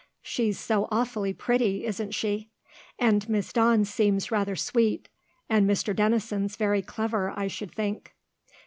"She's so awfully pretty, isn't she? And Miss Dawn seems rather sweet, and Mr. Denison's very clever, I should think."